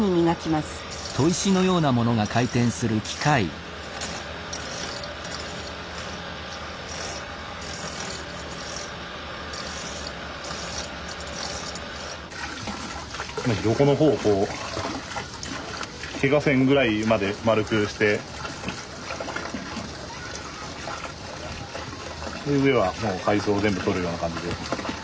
まあ横の方をこうケガせんぐらいまで丸くして上はもう海藻を全部取るような感じで。